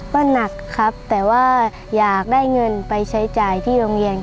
ก็หนักครับแต่ว่าอยากได้เงินไปใช้จ่ายที่โรงเรียน